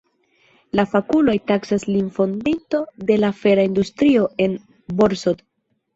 La fakuloj taksas lin fondinto de la fera industrio en Borsod.